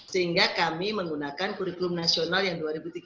sehingga kami menggunakan kurikulum nasional yang dua ribu tiga belas